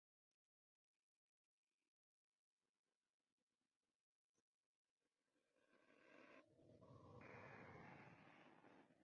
Por ello, el camino del director ha sido curioso.